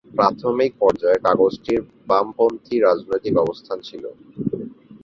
প্রাথমিক পর্যায়ে কাগজটির বামপন্থী রাজনৈতিক অবস্থান ছিল।